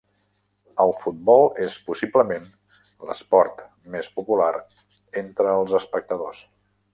El futbol és possiblement l'esport més popular entre els espectadors.